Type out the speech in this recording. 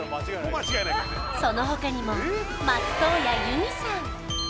その他にも松任谷由実さん